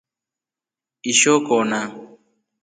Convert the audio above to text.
Ishoo kona.